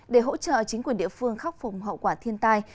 để hỗ trợ chính quyền địa phương khắc phục hậu quả thiên tai